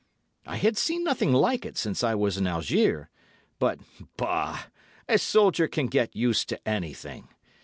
"I had seen nothing like it since I was in Algiers, but, bah! a soldier can get used to anything.